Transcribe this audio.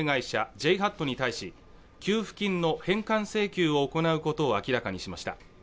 ＪＨＡＴに対し給付金の返還請求を行うことを明らかにしました